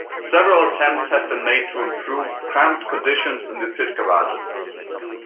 Several attempts have been made to improve cramped conditions in the pit garages.